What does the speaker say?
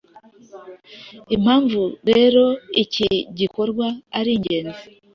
Impanvu rero iki gikorwa ari ingenzi